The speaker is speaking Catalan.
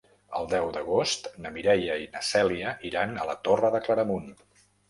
El deu d'agost na Mireia i na Cèlia iran a la Torre de Claramunt.